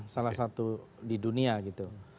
salah satu di dunia gitu